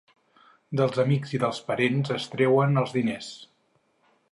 Dels amics i dels parents es treuen els diners.